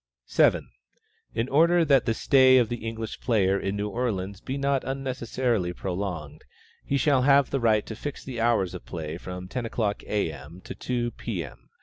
7. In order that the stay of the English player in New Orleans be not unnecessarily prolonged, he shall have the right to fix the hours of play at from ten o'clock, A. M., to two, P. M.